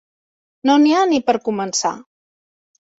No n'hi ha ni per a començar.